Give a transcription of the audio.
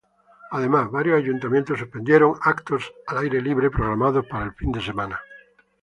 Además, varios ayuntamientos suspendieron eventos al aire libre programados para el fin de semana.